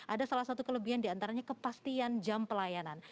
ada salah satu kelebihan di antaranya kepastian jam pelayanan